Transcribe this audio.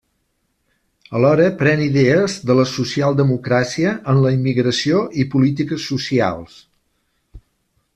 Alhora pren idees de la socialdemocràcia en la immigració i polítiques socials.